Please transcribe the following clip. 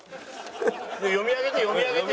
読み上げて読み上げて。